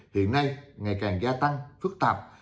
hiện nay ngày càng gia tăng phức tạp